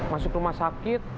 masuk rumah sakit